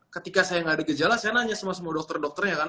ketika saya gak ada gejala saya nanya sama sama dokter dokternya